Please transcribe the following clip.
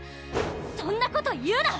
そんなこと言うな！